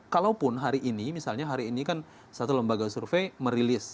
kalaupun hari ini misalnya hari ini kan satu lembaga survei merilis